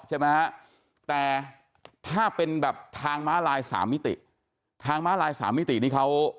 ใช่ไหมฮะแต่ถ้าเป็นแบบทางม้าลายสามมิติทางม้าลายสามมิตินี่เขา